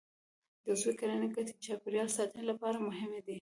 د عضوي کرنې ګټې د چاپېریال ساتنې لپاره مهمې دي.